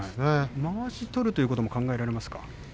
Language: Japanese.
まわしを取るということも考えられますか。